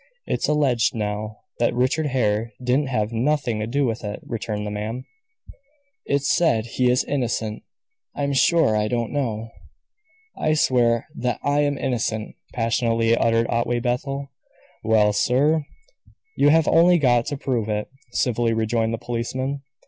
"It's alleged now that Richard Hare didn't have nothing to do with it," returned the man. "It's said he is innocent. I'm sure I don't know." "I swear that I am innocent," passionately uttered Otway Bethel. "Well, sir, you have only got to prove it," civilly rejoined the policeman.